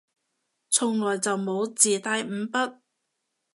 從來就冇自帶五筆